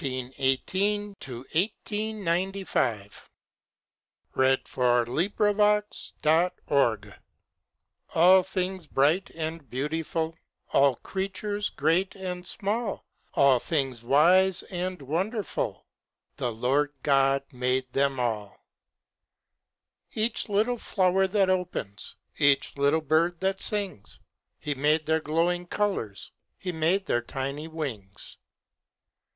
_ Old Proverb. FOR SUNDAY'S CHILD All Things Bright and Beautiful All things bright and beautiful, All creatures great and small, All things wise and wonderful, The Lord God made them all. Each little flower that opens, Each little bird that sings, He made their glowing colours, He made their tiny wings.